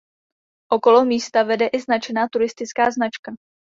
Okolo místa vede i značená turistická značka.